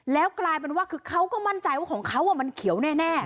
แล้วกลายเป็นว่าคือเขาก็มั่นใจว่าของเขามันเขียวแน่